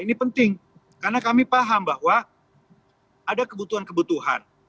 ini penting karena kami paham bahwa ada kebutuhan kebutuhan